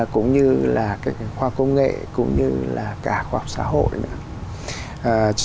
cũng như là khoa công nghệ cũng như là cả khoa học xã hội nữa